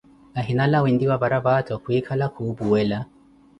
Ahina lawee nti wa paraphato, kwikala khuupuwela